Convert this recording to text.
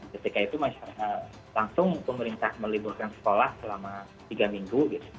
ketika itu langsung pemerintah meliburkan sekolah selama tiga minggu